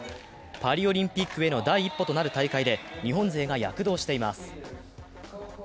パリオリンピックへの第一歩となる大会で日本勢が躍動しています。